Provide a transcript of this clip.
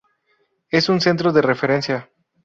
Es un centro de referencia.